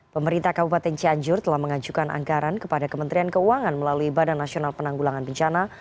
pemerintah kabupaten cianjur telah mengajukan anggaran kepada kementerian keuangan melalui badan nasional penanggulangan bencana